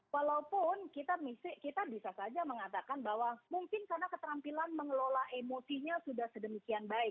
walaupun kita bisa saja mengatakan bahwa mungkin karena keterampilan mengelola emosinya sudah sedemikian baik